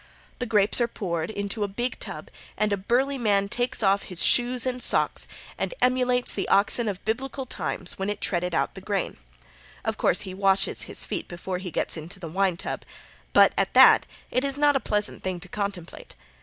The grapes are poured into a big tub and a burly man takes off his shoes and socks and emulates the oxen of Biblical times when it treaded out the grain. Of course he washes his feet before he gets into the wine tub. But, at that, it is not a pleasant thing to contemplate.